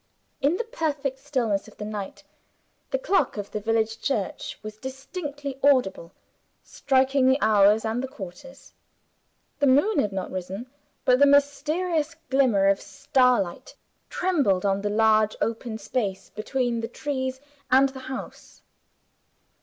In the perfect stillness of the night, the clock of the village church was distinctly audible, striking the hours and the quarters. The moon had not risen; but the mysterious glimmer of starlight trembled on the large open space between the trees and the house.